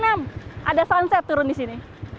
ada sunset turun di sini